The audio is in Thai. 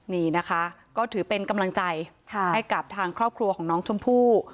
นี่นะคะก็ถือเป็นกำลังใจให้กับทางครอบครัวของน้องชมพู่